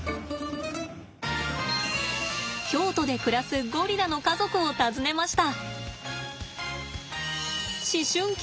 京都で暮らすゴリラの家族を訪ねました。